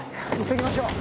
⁉急ぎましょう！